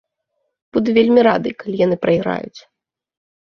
Буду вельмі рады, калі яны прайграюць.